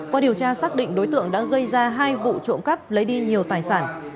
qua điều tra xác định đối tượng đã gây ra hai vụ trộm cắp lấy đi nhiều tài sản